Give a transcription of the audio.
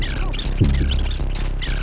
enak enak tidur teh